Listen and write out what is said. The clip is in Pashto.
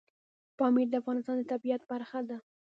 پامیر د افغانستان د طبیعت برخه ده.